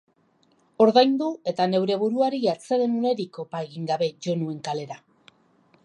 Ordaindu eta neure buruari atseden unerik opa egin gabe jo nuen kalera.